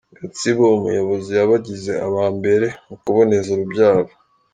Gatsibo umuyobozi yabagize aba mbere mu kuboneza urubyaro